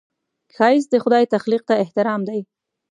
ښایست د خدای تخلیق ته احترام دی